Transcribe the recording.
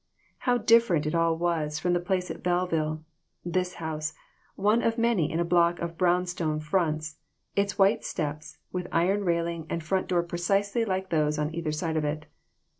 How different it all was from the place at Belleville this house, one of many in a block of brown stone fronts, its white steps, with iron railing and front door precisely like those on either side of it.